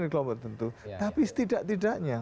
di kelompok tentu tapi setidak tidaknya